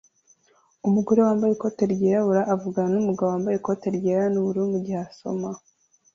Umugore wambaye ikoti ryirabura avugana numugabo wambaye ikoti ryera nubururu mugihe asoma